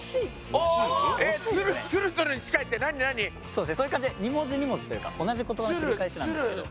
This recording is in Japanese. そういう感じで２文字２文字というか同じ言葉の繰り返しなんですけど。